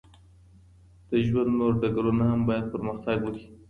د ژوند نور ډګرونه هم باید پرمختګ وکړي.